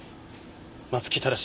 松木正。